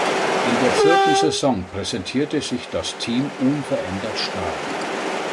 In der vierten Saison präsentierte sich das Team unverändert stark.